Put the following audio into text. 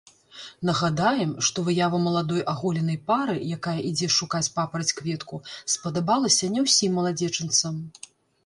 Нагадаем, што выява маладой аголенай пары, якая ідзе шукаць папараць-кветку, спадабалася не ўсім маладзечанцам.